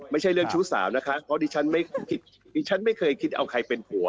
ไม่ใช่เรื่องชู้สาวนะคะเพราะดิฉันไม่คิดดิฉันไม่เคยคิดเอาใครเป็นผัว